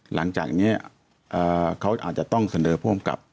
หลังจากนี้เขาอาจจะต้องเสนอผู้อำกับ